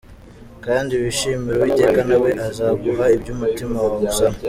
Kandi wishimire Uwiteka, Na we azaguha ibyo umutima wawe usaba.